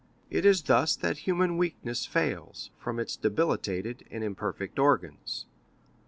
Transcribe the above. It is thus that human weakness fails, from its debilitated and imperfect organs.